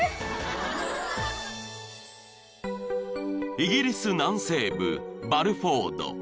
［イギリス南西部バルフォード］